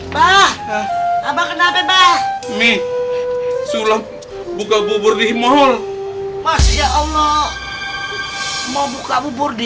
pakcik bahkan apa apa mi sulap buka bubur di mal mal ya allah mau buka bubur di